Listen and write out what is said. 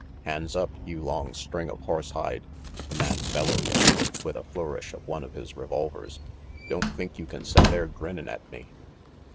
"Hands up, you long string of horse hide," the man bellowed, with a flourish of one of his revolvers. "Don't think you can set there grinnin' at me."